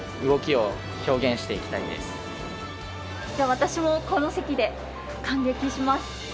私もこの席で観劇します。